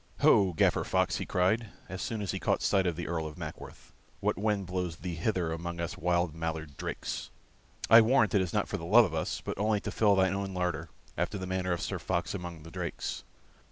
"Ho, Gaffer Fox!" he cried, as soon as he caught sight of the Earl of Mackworth, "what wind blows thee hither among us wild mallard drakes? I warrant it is not for love of us, but only to fill thine own larder after the manner of Sir Fox among the drakes.